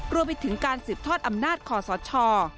รวมไปถึงการสืบทอดอำนาจคอสช